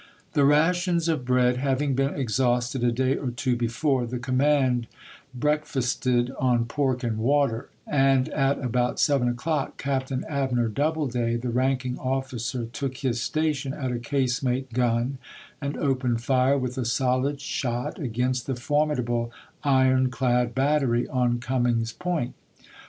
The rations of bread having been exhausted a day or two before, the command breakfasted on pork and water, and at about seven o'clock Cap tain Abner Doubleday, the ranking officer, took his station at a casemate gun and opened fire with a solid shot, against the formidable iron clad bat tery on Cummings Point.